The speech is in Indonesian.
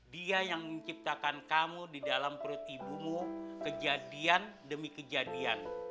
dia yang menciptakan kamu di dalam perut ibumu kejadian demi kejadian